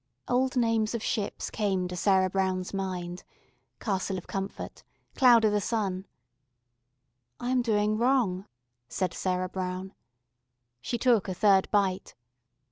Old names of ships came to Sarah Brown's mind ... Castle of Comfort ... Cloud i' the Sun.... "I am doing wrong," said Sarah Brown. She took a third bite.